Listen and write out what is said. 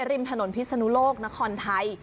ริมถนนพิศนุโลกนครไทย